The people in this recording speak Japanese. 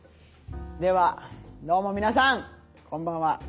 ではどうも皆さんこんばんは。